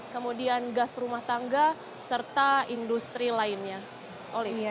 kemudian gas rumah tangga serta industri lainnya